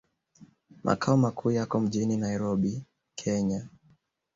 Makao makuu yako mjini Nairobi, Kenya.